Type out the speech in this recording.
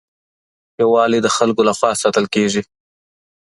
يووالی د خلګو لخوا ساتل کېږي.